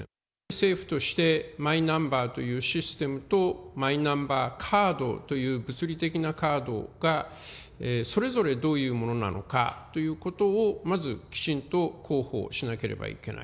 政府として、マイナンバーというシステムと、マイナンバーカードという物理的なカードが、それぞれどういうものなのかということを、まず、きちんと広報しなければいけない。